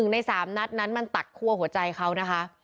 ใน๓นัดนั้นมันตัดคั่วหัวใจเขานะคะ